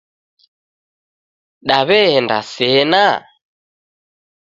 Daw'eenda sena?